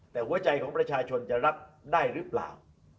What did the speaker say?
แต่หัวใจของประชาชนจะรับได้หรือเปล่า